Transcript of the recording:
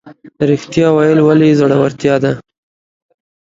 ریښتیا ویل ولې زړورتیا ده؟